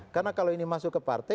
karena kalau ini masuk ke partai